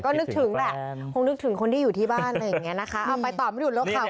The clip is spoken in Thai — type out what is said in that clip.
ก็นึกถึงแหละคงนึกถึงคนที่อยู่ที่บ้านเอาไปตอบไม่ถูกหลบข่าว